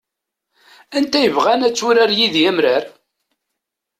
Anta yebɣan ad turar yid-i amrar?